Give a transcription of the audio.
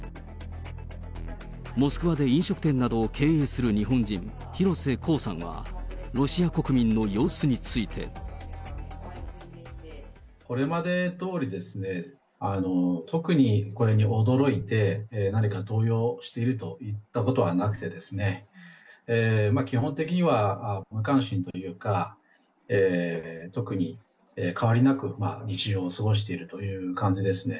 モスクワで飲食店などを経営する日本人、廣瀬功さんは、ロシア国民の様子について。これまでどおりですね、特にこれに驚いて、何か動揺しているといったことはなくてですね、基本的には無関心というか、特に変わりなく日常を過ごしているという感じですね。